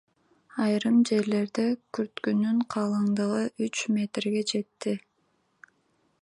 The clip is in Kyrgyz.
Айрым жерлерде күрткүнүн калыңдыгы үч метрге жетти.